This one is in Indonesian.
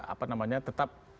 apa namanya tetap